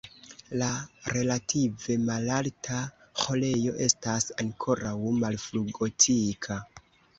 La relative malalta ĥorejo estas ankoraŭ malfrugotika.